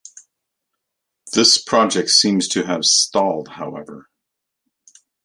This project seems to have stalled however.